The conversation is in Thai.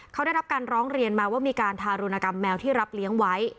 เขาได้รับการร้องเรียนมาว่ามีการทารุณกรรมแมวที่รับเลี้ยงไว้